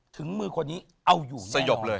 ถึงมือคนนี้เอาอยู่สยบเลย